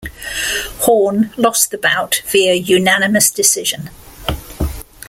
Horn lost the bout via unanimous decision.